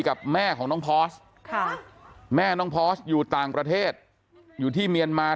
กับแม่ของน้องพอร์สแม่น้องพอสอยู่ต่างประเทศอยู่ที่เมียนมา